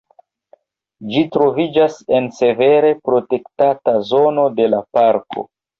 Ĝi troviĝas en severe protektata zono de la parko.